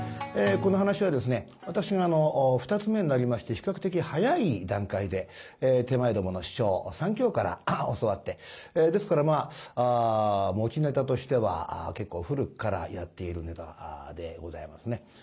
この噺は私が二ツ目になりまして比較的早い段階で手前どもの師匠さん喬から教わってですから持ちネタとしては結構古くからやっているネタでございますね。